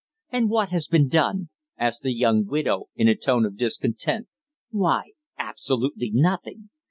"And what has been done?" asked the young widow, in a tone of discontent; "why, absolutely nothing!